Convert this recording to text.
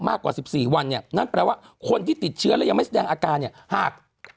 มากกว่า๑๔วันเนี่ยนั่นแปลว่าคนที่ติดเชื้อแล้วยังไม่แสดงอาการเนี่ยหาก